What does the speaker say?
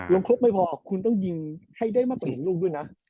ครบไม่พอคุณต้องยิงให้ได้มากกว่าเหรียญลูกด้วยนะ